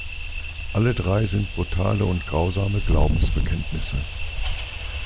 Alle drei sind brutale und grausame Glaubensbekenntnisse.